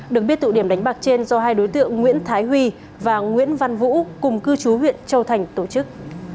được biết tụ điểm đánh bạc trên do hai đối tượng nguyễn thái huy và nguyễn văn vũ cùng cư chú huyện châu thành tổ chức